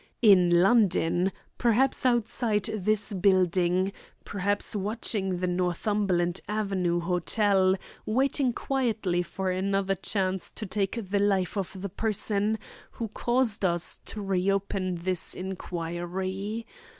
In London, perhaps outside this building, perhaps watching the Northumberland Avenue Hotel, waiting quietly for another chance to take the life of the person who caused us to reopen this inquiry.